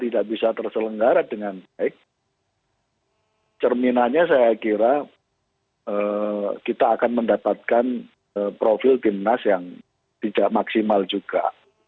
tidak bisa terselenggara dengan baik cerminannya saya kira kita akan mendapatkan profil timnas yang tidak maksimal juga